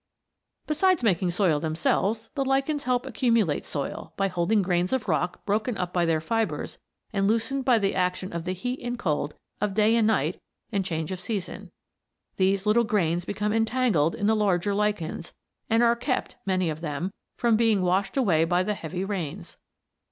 Besides making soil themselves, the lichens help accumulate soil by holding grains of rock broken up by their fibres and loosened by the action of the heat and cold of day and night and change of season. These little grains become entangled in the larger lichens and are kept, many of them, from being washed away by the heavy rains.